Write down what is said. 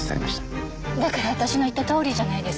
だから私の言ったとおりじゃないですか。